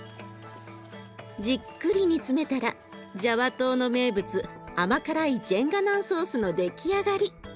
じっくり煮詰めたらジャワ島の名物甘辛いジェンガナンソースの出来上がり。